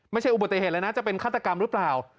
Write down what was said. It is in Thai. ไม่ใช่อุบัติเหตุเลยนะจะเป็นฆาตกรรมหรือเปล่า